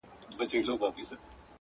په فیسبوک ډېر